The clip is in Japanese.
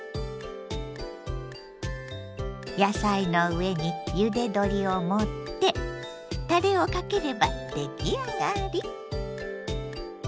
野菜の上にゆで鶏を盛ってたれをかければ出来上がり！